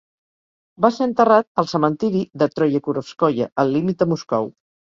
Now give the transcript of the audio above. Va ser enterrat al cementiri de Troyekurovskoye al límit de Moscou.